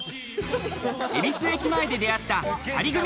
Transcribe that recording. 恵比寿駅前で出会った２人組。